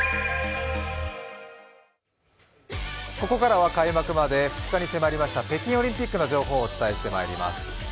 ここからは開幕まで２日に迫りました北京オリンピックの情報をお伝えしてまいります。